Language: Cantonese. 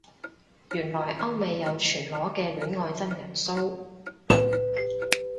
原來歐美有全裸嘅戀愛真人騷